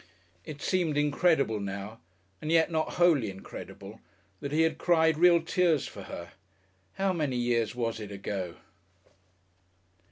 It seemed incredible now, and yet not wholly incredible, that he had cried real tears for her how many years was it ago?